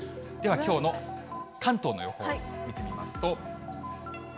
ではきょうの関東の予報、見てみますと。